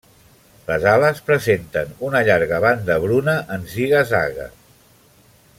Les ales presenten una llarga banda bruna en ziga-zaga.